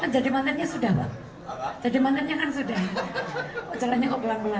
jadi makanya sudah jadi makanya sudah